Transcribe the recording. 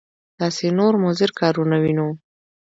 داسې نور مضر کارونه وینو.